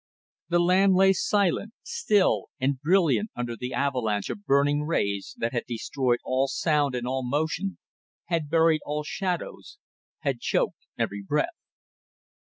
The land lay silent, still, and brilliant under the avalanche of burning rays that had destroyed all sound and all motion, had buried all shadows, had choked every breath.